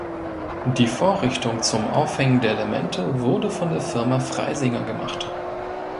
Die Vorrichtung zum Aufhängen der Elemente wurde von der Firma Freisinger gemacht.